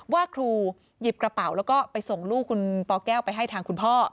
ว่าครูหยิบกระเป๋าแล้วก็ไปส่งลูกคุณปแก้วไปให้ทางคุณพ่อ